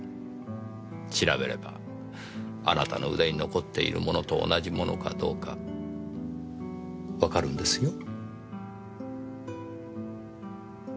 調べればあなたの腕に残っているものと同じものかどうかわかるんですよ。